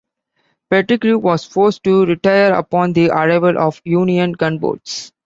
Pettigrew was forced to retire upon the arrival of Union gunboats.